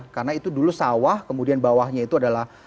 karena itu dulu sawah kemudian bawahnya itu adalah